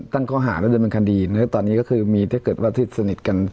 ตั้งเคราะห์และดันบันคันดีตอนนี้ก็คือมีเทศเกิดว่าที่สนิทกัน